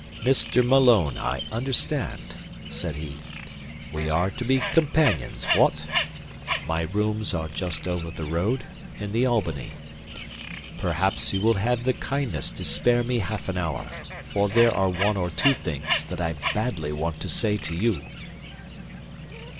"Mr. Malone, I understand," said he. "We are to be companions what? My rooms are just over the road, in the Albany. Perhaps you would have the kindness to spare me half an hour, for there are one or two things that I badly want to say to you."